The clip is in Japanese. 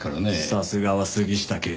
さすがは杉下警部。